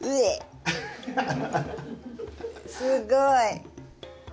すごい。